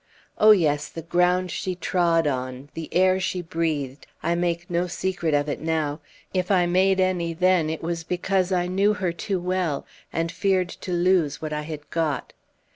Oh, yes ... the ground she trod on ... the air she breathed! I make no secret of it now; if I made any then, it was because I knew her too well, and feared to lose what I had got.